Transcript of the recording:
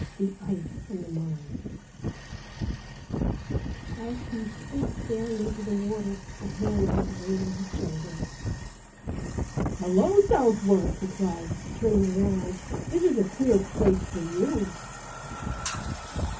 The ice from the Marne. As he stood staring into the water, a hand was laid on his shoulder. "Hello, Southwark!" he cried, turning around; "this is a queer place for you!"